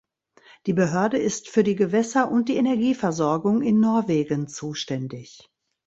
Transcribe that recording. Die Behörde ist für die Gewässer und die Energieversorgung in Norwegen zuständig.